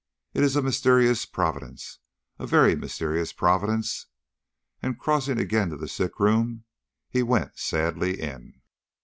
It is a mysterious providence a very mysterious providence!" And crossing again to the sick room, he went sadly in.